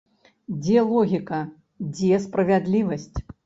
Дзе логіка, дзе справядлівасць?